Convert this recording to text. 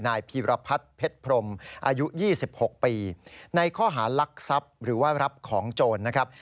พีรพัฒน์เพชรพรมอายุ๒๖ปีในข้อหารักทรัพย์หรือว่ารับของโจรนะครับ